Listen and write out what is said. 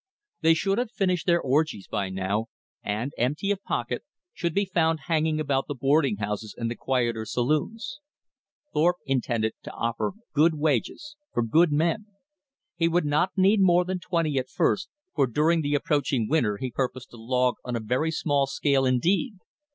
They should have finished their orgies by now, and, empty of pocket, should be found hanging about the boarding houses and the quieter saloons. Thorpe intended to offer good wages for good men. He would not need more than twenty at first, for during the approaching winter he purposed to log on a very small scale indeed.